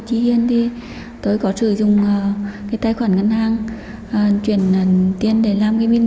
hiện đã có hàng trăm người dân